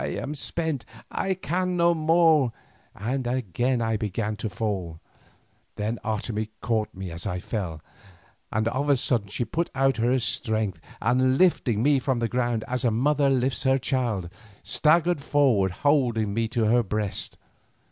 "I am spent, I can no more;" and again I began to fall. Then Otomie caught me as I fell, and of a sudden she put out her strength, and lifting me from the ground, as a mother lifts her child, staggered forward holding me to her breast.